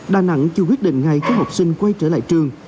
đà nẵng chưa quyết định ngay cho học sinh quay trở lại trường